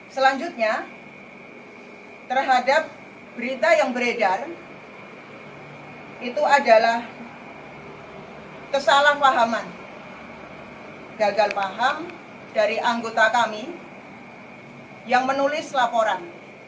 selanjutnya terhadap berita yang beredar itu adalah kesalahpahaman gagal paham dari anggota kami yang menulis laporan